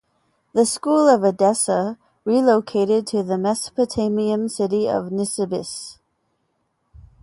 The School of Edessa relocated to the Mesopotamian city of Nisibis.